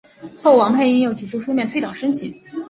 后王佩英又提出书面退党申请。